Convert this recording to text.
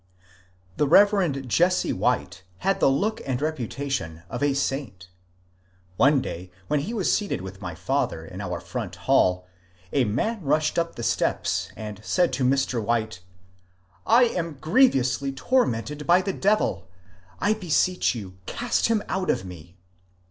The Rev. Jesse White had the look and reputation of a saint. One day when he was seated with my father in our front hall, a man rushed up the steps and said to Mr. White, ^^ I am grievously tormented by a devil ; I beseech you cast him out of me."